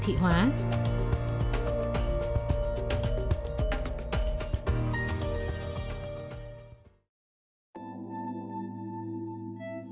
thành phố toàn cầu